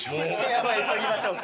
やばい急ぎましょうか。